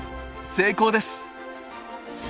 成功です！